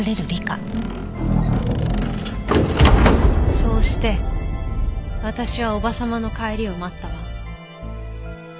そうして私は叔母様の帰りを待ったわ。